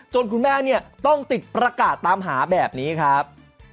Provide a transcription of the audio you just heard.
คุณแม่เนี่ยต้องติดประกาศตามหาแบบนี้ครับ